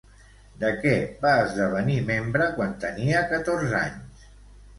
De què va esdevenir membre, quan tenia catorze anys?